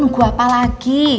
nunggu apa lagi